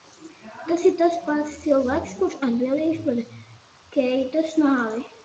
Tas ir tas pats cilvēks, kurš atbildīgs par Keitas nāvi?